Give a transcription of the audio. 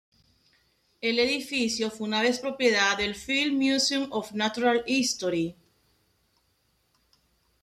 El edificio fue una vez propiedad del Field Museum of Natural History.